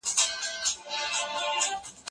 قانوني لارې باید برابرې شي.